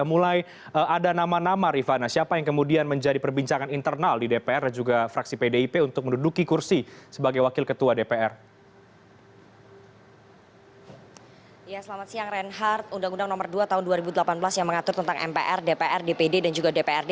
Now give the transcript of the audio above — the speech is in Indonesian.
undang undang nomor dua tahun dua ribu delapan belas yang mengatur tentang mpr dpr dpd dan juga dprd